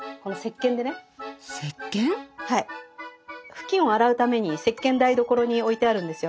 布巾を洗うために石けん台所に置いてあるんですよ。